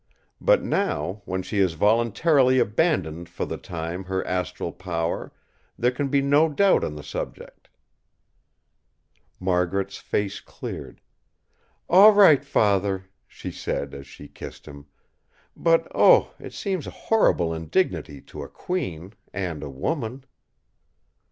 But now, when she has voluntarily abandoned for the time her astral power, there can be no doubt on the subject." Margaret's face cleared. "All right, Father!" she said as she kissed him. "But oh! it seems a horrible indignity to a Queen, and a woman."